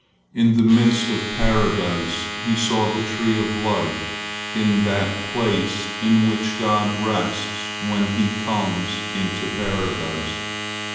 In the midst of Paradise he saw the tree of life, in that place in which God rests when He comes into Paradise.